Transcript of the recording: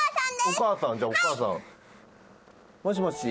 お母さん？じゃあお母さん。もしもし？